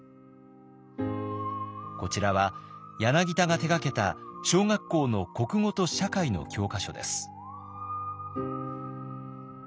こちらは柳田が手がけた小学校の国語と社会の教科書です。